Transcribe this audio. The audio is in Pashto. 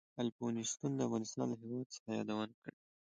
الفونستون د افغانستان له هېواد څخه یادونه کړې.